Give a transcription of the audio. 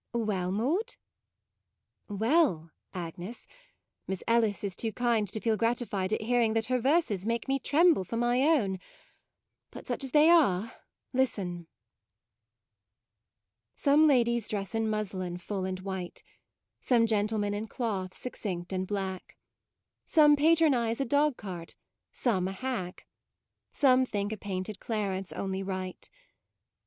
"Well, Maude?" " Well, Agnes ; Miss Ellis is too kind to feel gratified at hearing that her verses make me tremble for my own : but such as they are, listen: '' Some ladies dress in muslin full and white, Some gentlemen in cloth succinct and black; 30 MAUDE Some patronise a dog cart, some a hack, Some think a painted clarence only right.